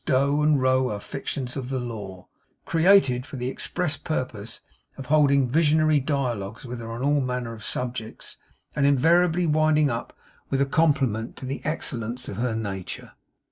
Doe and Roe are fictions of the law created for the express purpose of holding visionary dialogues with her on all manner of subjects, and invariably winding up with a compliment to the excellence of her nature.